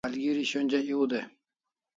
Malgeri shonja ew dai